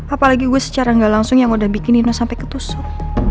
apalagi gue secara gak langsung yang udah bikin ninus sampai ketusuk